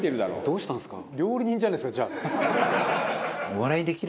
「どうしたんですか？」